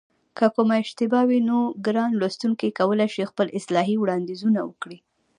که کومه اشتباه وي نو ګران لوستونکي کولای شي خپل اصلاحي وړاندیزونه وکړي